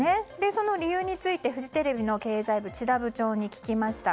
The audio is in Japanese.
その理由についてフジテレビの経済部智田部長に聞きました。